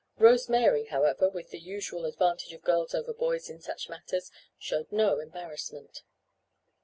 Rose Mary, however with the usual advantage of girls over boys in such matters, showed no embarrassment.